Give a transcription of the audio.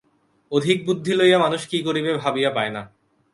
অধিক বুদ্ধি লইয়া মানুষ কী করিবে ভাবিয়া পায় না।